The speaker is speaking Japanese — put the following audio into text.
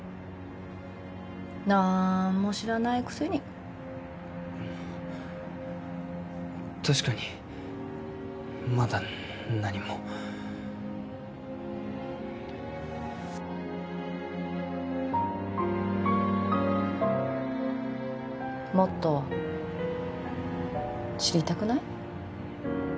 なーんも知らないくせに確かにまだ何ももっと知りたくない？